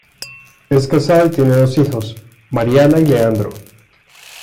Es casada y tiene dos hijos, Mariana y Leandro.